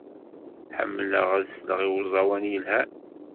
Ḥemmleɣ ad sleɣ i uẓawan yelhan.